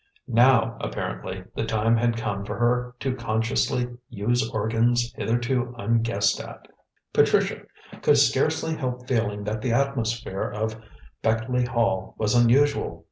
Now, apparently, the time had come for her to consciously use organs hitherto unguessed at. Patricia could scarcely help feeling that the atmosphere of Beckleigh Hall was unusual.